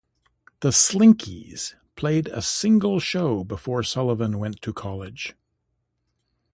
The Slinkees played a single show before Sullivan went to college.